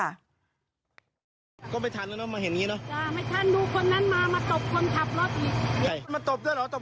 แล้วแล้วคนที่ตบเป็นไงครับ